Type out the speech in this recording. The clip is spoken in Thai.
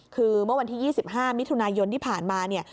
คือเมื่อวันที่๒๕มิถุนายนที่ผ่านมาเนี่ย